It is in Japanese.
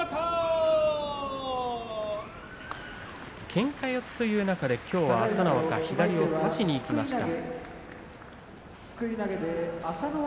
けんか四つという中できょうは朝乃若左を差しにいきました。